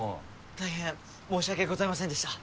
大変申し訳ございませんでした。